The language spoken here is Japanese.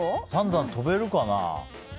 ３段、跳べるかな？